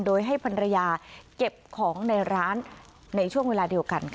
โดยให้ภรรยาเก็บของในร้านในช่วงเวลาเดียวกันค่ะ